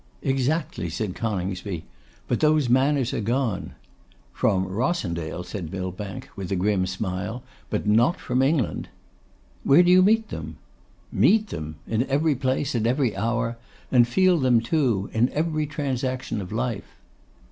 'Exactly,' said Coningsby, 'but those manners are gone.' 'From Rossendale,' said Millbank, with a grim smile; 'but not from England.' 'Where do you meet them?' 'Meet them! In every place, at every hour; and feel them, too, in every transaction of life.